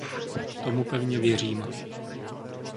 Tomu pevně věřím.